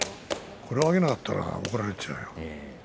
これを上げなかったら怒られちゃうよ。